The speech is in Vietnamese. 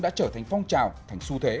đã trở thành phong trào thành su thế